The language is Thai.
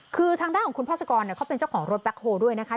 คือทางด้านของคุณภาษกรเขาเป็นเจ้าของรถแบ็คโฮลด้วยนะคะ